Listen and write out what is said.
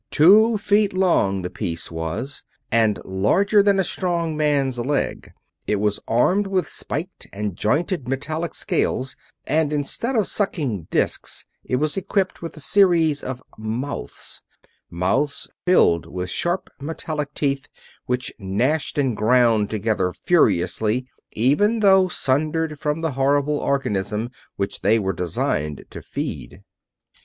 Two feet long the piece was, and larger than a strong man's leg. It was armed with spiked and jointed metallic scales, and instead of sucking disks it was equipped with a series of mouths mouths filled with sharp metallic teeth which gnashed and ground together furiously, even though sundered from the horrible organism which they were designed to feed.